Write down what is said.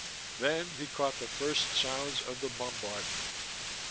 Then he caught the first sounds of the bombardment.